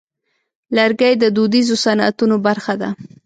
لرګی د دودیزو صنعتونو برخه ده.